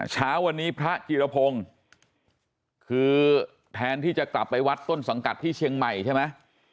เช้าวันนี้พระจิรพงศ์คือแทนที่จะกลับไปวัดต้นสังกัดที่เชียงใหม่ใช่ไหม